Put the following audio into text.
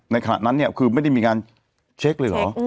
ขณะนั้นเนี่ยคือไม่ได้มีการเช็คเลยเหรอ